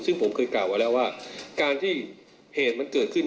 ซึ่งผมเคยกล่าวไว้แล้วว่าการที่เหตุมันเกิดขึ้น